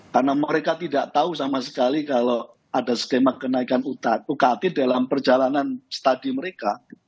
karena mereka tidak tahu sama sekali kalau ada skema kenaikan ukt dalam perjalanan studi mereka